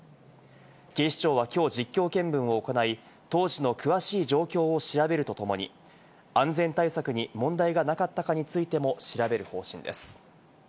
警視庁はきょう実況見分を行い、当時の詳しい状況を調べるとともに、安全対策に問題がなかったかについても調べる方針です。